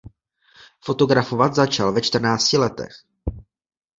Fotografovat začal ve čtrnácti letech.